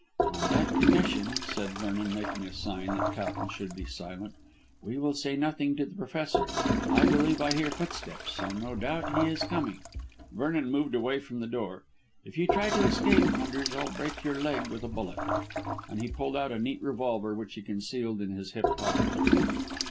"On that condition," said Vernon, making a sign that Towton should be silent, "we will say nothing to the Professor. I believe I hear footsteps, so no doubt he is coming." Vernon moved away from the door. "If you try to escape, Maunders, I'll break your leg with a bullet," and he pulled out a neat revolver which he kept concealed in his hip pocket.